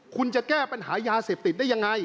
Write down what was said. คุณจะแก้ปัญหายาเสพติดได้ยังไง